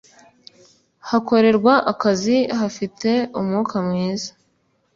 hakorerwa akazi hafite umwuka mwiza